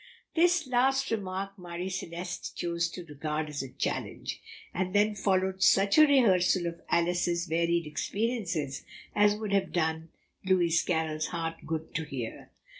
This last remark Marie Celeste chose to regard as a challenge, and then followed such a rehearsal of Alice's varied experiences as would have done Lewis Carroll's heart good to hear.